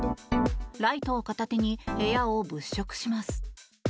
ライトを片手に部屋を物色します。